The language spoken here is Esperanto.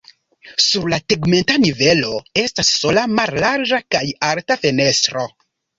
Sur la tegmenta nivelo estas sola mallarĝa kaj alta fenestro.